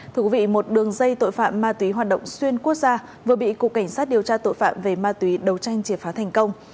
thưa quý vị một đường dây tội phạm ma túy hoạt động xuyên quốc gia vừa bị cục cảnh sát điều tra tội phạm về ma túy đấu tranh triệt phá thành công